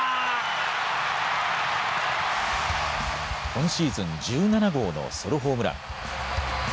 今シーズン１７号のソロホームラン。